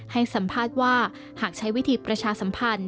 ให้สัมภาษณ์ว่าหากใช้วิธีประชาสัมพันธ์